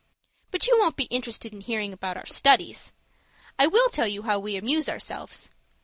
"But you won't be interested in hearing about our studies. I will tell you how we amuse ourselves.